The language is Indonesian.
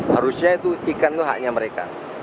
harusnya itu ikan itu haknya mereka